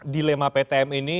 dilema ptm ini